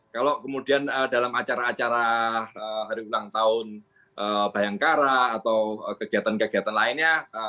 kalau kemudian dalam acara acara hari ulang tahun bayangkara atau kegiatan kegiatan lainnya